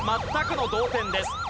全くの同点です。